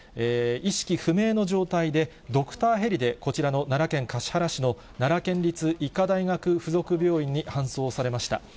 意識不明の状態で、ドクターヘリでこちらの奈良県橿原市の奈良県立医科大学附属病院に搬送されました。